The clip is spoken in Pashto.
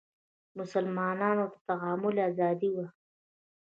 مسلمانانو ته تعامل ازادي وه